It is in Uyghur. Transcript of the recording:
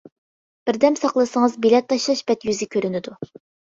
بىردەم ساقلىسىڭىز، بېلەت تاشلاش بەت يۈزى كۆرۈنىدۇ.